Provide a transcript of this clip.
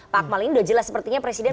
pak akmal ini sudah jelas sepertinya presiden